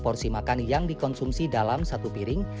porsi makan yang dikonsumsi dalam satu piring